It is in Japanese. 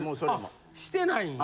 あっしてないんや。